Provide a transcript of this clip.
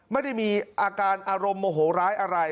ไม่ได้มีอาการอารมณ์โมโหร้ายอะไร